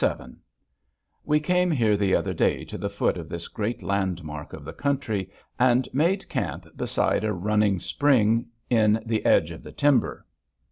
_ We came up here the other day to the foot of this great landmark of the country, and made camp beside a running spring in the edge of the timber.